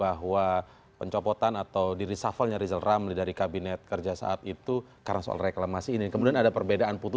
apa penjelasannya dari dizolimi itu